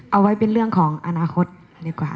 เอาไว้เป็นเรื่องของอนาคตดีกว่า